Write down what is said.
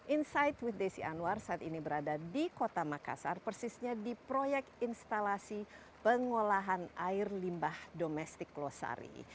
insight with desi anwar saat ini berada di kota makassar persisnya di proyek instalasi pengolahan air limbah domestik losari